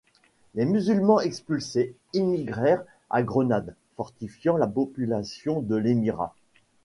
Les Musulmans expulsés émigrèrent à Grenade, fortifiant la population de l'émirat.